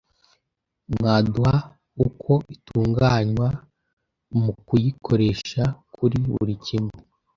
Mwaduha uko itunganywa mukuyikoresha kuri burikimwe